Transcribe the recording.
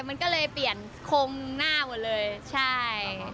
มันก็เลยเปลี่ยนคงหน้าหมดเลยใช่